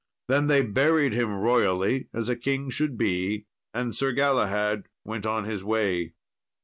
Then they buried him royally, as a king should be; and Sir Galahad went on his way.